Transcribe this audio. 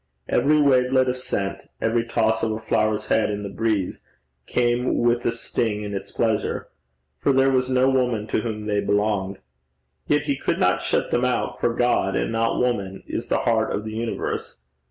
Every wavelet of scent, every toss of a flower's head in the breeze, came with a sting in its pleasure for there was no woman to whom they belonged. Yet he could not shut them out, for God and not woman is the heart of the universe.